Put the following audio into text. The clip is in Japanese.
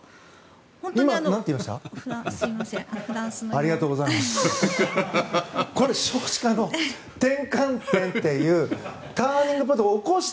今、なんて言いました？